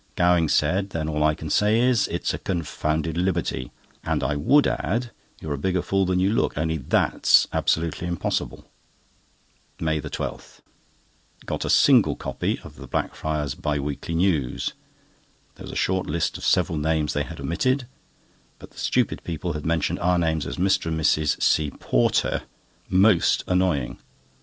Gowing said: "Then all I can say is, it's a confounded liberty; and I would add, you're a bigger fool than you look, only that's absolutely impossible." MAY 12.—Got a single copy of the Blackfriars Bi weekly News. There was a short list of several names they had omitted; but the stupid people had mentioned our names as "Mr. and Mrs. C. Porter." Most annoying!